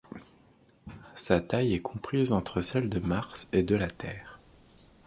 Sa taille est comprise entre celle de Mars et de la Terre.